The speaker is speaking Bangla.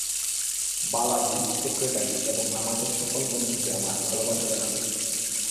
বালাজী, সেক্রেটারী এবং আমাদের সকল বন্ধুকে আমার ভালবাসা জানাবে।